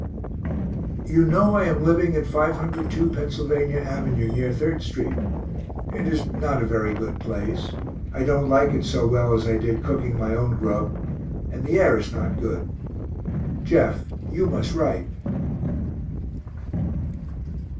You know I am living at 502 Pennsylvania av. (near 3d st.) it is not a very good place. I don't like it so well as I did cooking my own grub and the air is not good. Jeff, you must write.